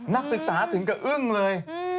นักศึกษาถึงกับอึ้งเลย